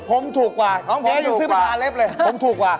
ผมถูกกว่าของผมยังซื้อมาอาเล็บเลยผมถูกกว่า